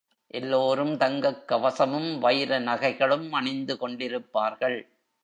எல்லோரும் தங்கக் கவசமும் வைர நகைகளும் அணிந்து கொண்டிருப்பார்கள்.